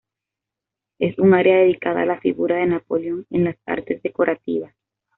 Es un área dedicada a la figura de Napoleón en las Artes Decorativas.